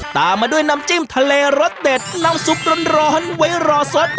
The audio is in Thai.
ตามมาด้วยน้ำจิ้มทะเลรสเด็ดน้ำซุปร้อนไว้รอสด